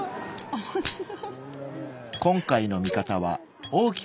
面白い。